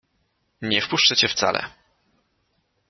Nie wpuszczę cię wcale.